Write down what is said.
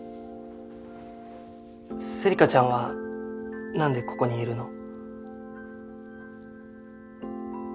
せりかちゃんはなんでここにいるの？